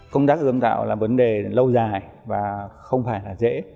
công tác ươm tạo là vấn đề lâu dài và không phải là dễ